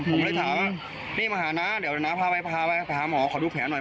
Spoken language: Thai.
เดี๋ยวนะพาไปพาไปพาหมอขอดูแผลหน่อย